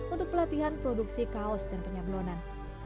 untuk pelatihan produksi kaos dan penyablonan